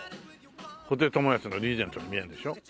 布袋寅泰のリーゼントに見えるでしょ？